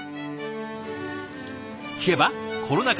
聞けばコロナ禍